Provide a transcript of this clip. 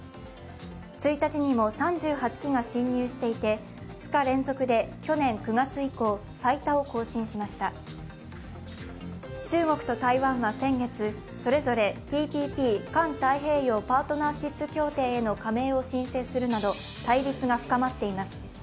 １日にも３８機が進入していて去年９月以降、最多を更新しました中国と台湾は先月、それぞれＴＰＰ＝環太平洋パートナーシップ協定への加盟を申請するなど対立が深まっています。